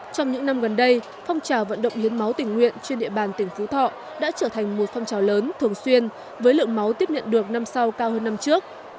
trong những năm gần đây phong trào vận động hiến máu tỉnh nguyện trên địa bàn tỉnh phú thọ đã trở thành một phong trào lớn thường xuyên với lượng máu tiếp nhận được năm sau cao hơn năm trước